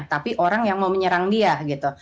tapi orang yang mau menyerang dia gitu